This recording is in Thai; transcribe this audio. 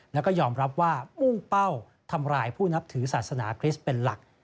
แล้วก็ยอมรับว่ามุ่งเป้าทำร้ายผู้นับถือศาสนาคริสต์เป็นหลัก